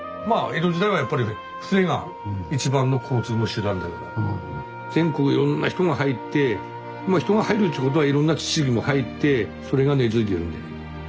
江戸時代はやっぱり船が一番の交通の手段だから全国いろんな人が入ってまあ人が入るっちゅうことはいろんな知識も入ってそれが根づいてるんだよね。